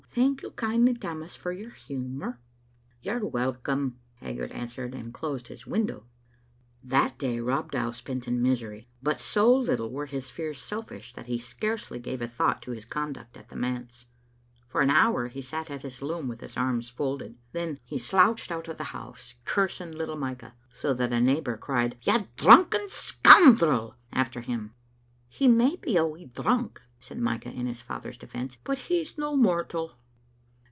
Thank you kindly, Tammas, for your humour." "You're welcome," Haggart answered, and closed his window. That da^ Rob Pow spent in misery, but so little werf» Digitized by VjOOQ IC IM Vbe Xittle Afntetet. his fears selfish that he scarcely gave a thought to his conduct at the manse. For an hour he sat at his loom with his arms folded. Then he slouched out of the house, cursing little Micah, so that a neighbour cried " You drucken scoundrel !" after him. " He may be a wee drunk," said Micah in his father's defence, "but he's no mortal."